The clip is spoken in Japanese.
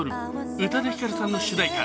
宇多田ヒカルさんの主題歌。